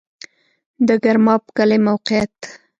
د ګرماب کلی موقعیت